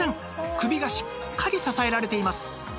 首がしっかり支えられています